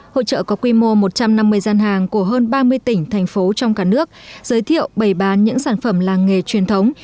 hội trợ có quy mô một trăm năm mươi gian hàng của hơn ba mươi tỉnh thành phố trong cả nước giới thiệu bày bán những sản phẩm làng nghề truyền thống